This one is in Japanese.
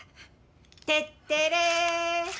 テッテレ。